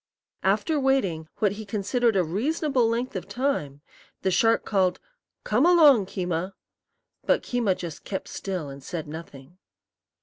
After waiting what he considered a reasonable length of time, the shark called, "Come along, Keema!" But Keema just kept still and said nothing.